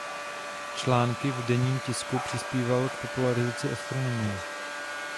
Články v denním tisku přispíval k popularizaci astronomie.